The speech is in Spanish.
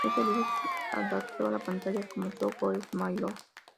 Este libro se adaptó a la pantalla como "So Goes My Love".